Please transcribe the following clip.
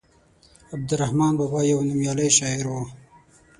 عبدالرحمان بابا يو نوميالی شاعر وو.